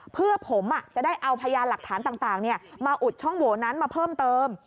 เพื่อผมจะได้เอาพยานหลักฐานต่างมาอุดช่องโหวนั้นมาเพิ่มเติม